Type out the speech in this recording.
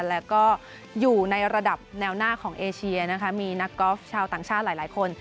แล้วก็อยู่ในระดับแนวหน้าของเอเชียนะคะมีนักกอล์ฟชาวต่างชาติหลายคน